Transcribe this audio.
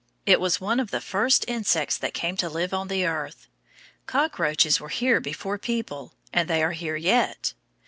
It was one of the first insects that came to live on the earth; cockroaches were here before people, and they are here yet.